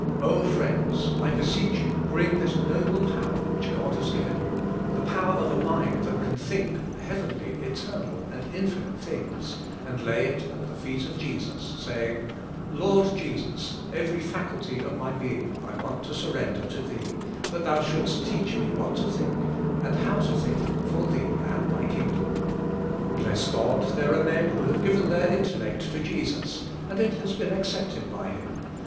Oh, friends, I beseech you bring this noble power which God has given you, the power of a mind that can think heavenly, THE COMPLETE SURRENDER 107 eternal, and infinite things, and lay it at, the feet of Jesus, saying, "Lord Jesus, every faculty of my being I want to surrender to Thee, that Thou shouldst teach me what to think, and how to think, for Thee and Thy Kingdom." Bless God, there are men who have given their intellect to Jesus, and it has been accepted by Him.